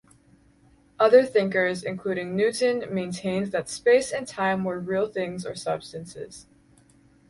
Other thinkers, including Newton, maintained that space and time were real things or substances.